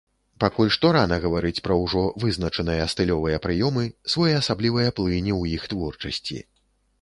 Пакуль што рана гаварыць пра ўжо вызначаныя стылёвыя прыёмы, своеасаблівыя плыні ў іх творчасці.